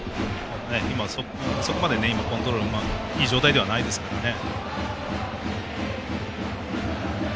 今、そこまでコントロールいい状態ではないですからね。